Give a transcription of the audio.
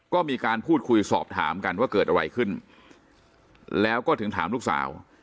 ก็มีการพูดคุยสอบถามกันว่าเกิดอะไรขึ้นแล้วก็ถึงถามลูกสาว